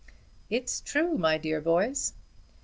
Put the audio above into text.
"It's true, my dear boys."